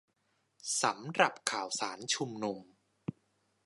สำหรับข่าวสารชุมนุม